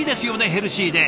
ヘルシーで。